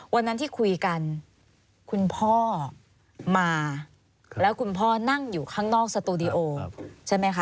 วันนั้นที่คุยกันคุณพ่อมาแล้วคุณพ่อนั่งอยู่ข้างนอกสตูดิโอใช่ไหมคะ